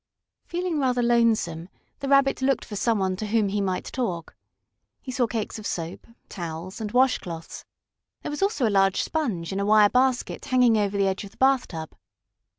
Feeling rather lonesome, the Rabbit looked for some one to whom he might talk. He saw cakes of soap, towels, and wash cloths. There was also a large sponge in a wire basket hanging over the edge of the bathtub.